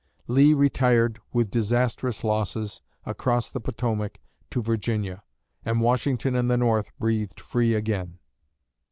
Lee retired, with disastrous losses, across the Potomac to Virginia; and Washington and the North breathed free again.